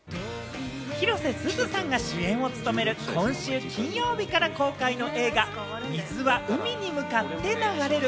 広瀬すずさんが主演を務める、今週金曜日から公開の映画『水は海に向かって流れる』。